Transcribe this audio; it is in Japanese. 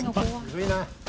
古いな。